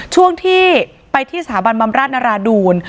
ช่วงที่ไปที่สถาบันบำราชนราดูล